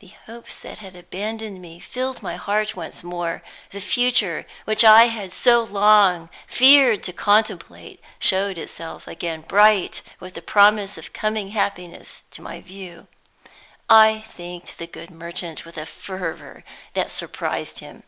The hopes that had abandoned me filled my heart once more; the future which I had so long feared to contemplate showed itself again bright with the promise of coming happiness to my view. I thanked the good merchant with a fervor that surprised him.